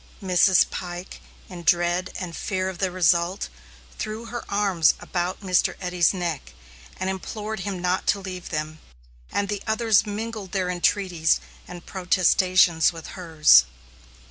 Mrs. Pike, in dread and fear of the result, threw her arms about Mr. Eddy's neck and implored him not to leave them, and the others mingled their entreaties and protestations with hers.